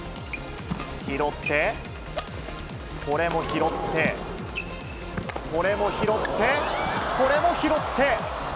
拾って、これも拾って、これも拾って、これも拾って。